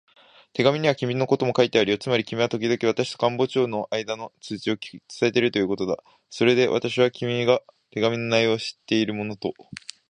手紙には君のことも書いてあるよ。つまり君はときどき私と官房長とのあいだの通知を伝えるということだ。それで私は、君が手紙の内容を知っているものと